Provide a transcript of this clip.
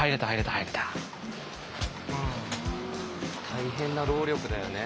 大変な労力だよね。